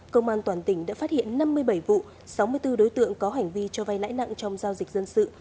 công an toàn tỉnh đã phát hiện năm mươi bảy vụ sáu mươi bốn đối tượng có hành vi cho vay lãi nặng trong giao dịch dân sự